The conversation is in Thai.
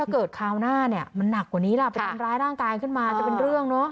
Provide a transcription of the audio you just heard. เกิดคราวหน้าเนี่ยมันหนักกว่านี้ล่ะไปทำร้ายร่างกายขึ้นมาจะเป็นเรื่องเนอะ